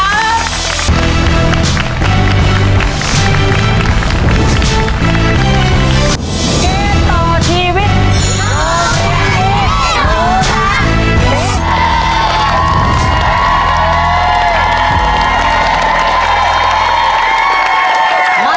เกมต่อชีวิตรอเชียร์ที่รู้สึกเกม